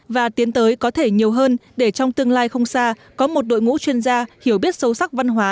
và tiến tới có thể nhiều hơn để trong tương lai không xa có một đội ngũ chuyên gia hiểu biết sâu sắc văn hóa